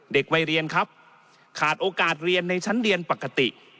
เด็กวัยเรียนครับขาดโอกาสเรียนในชั้นเรียนปกติ